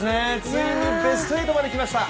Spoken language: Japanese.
ついにベスト８まできました。